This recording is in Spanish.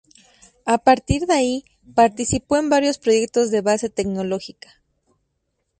A partir de ahí participó en varios proyectos de base tecnológica.